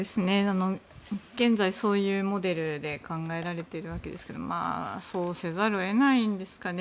現在、そういうモデルで考えられているわけですがそうせざるを得ないんですかね。